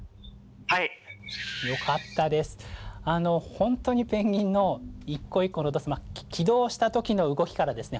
本当にペンギンの一個一個の起動した時の動きからですね